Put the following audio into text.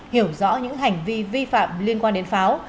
hiểu rõ những hành vi vi phạm liên quan đến pháo